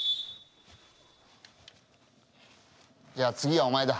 じゃあ次はお前だ。